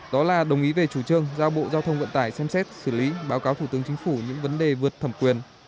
đó là đồng ý về chủ trương giao bộ giao thông vận tải xem xét xử lý báo cáo thủ tướng chính phủ những vấn đề vượt thẩm quyền